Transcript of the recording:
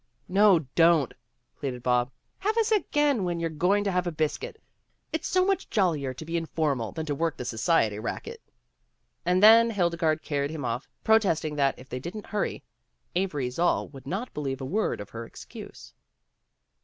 "No, don't," pleaded Bob. "Have us again when you're going to have biscuit. It's so much jollier to be informal than to work the society racket. '' And then Hildegarde carried him off, protesting that, if they didn't hurry, Avery Zall would not believe a word of her excuse.